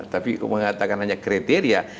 tapi mengatakan hanya kriteria